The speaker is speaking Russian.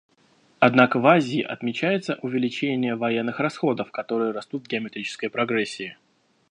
Однако в Азии отмечается увеличение военных расходов, которые растут в геометрической прогрессии.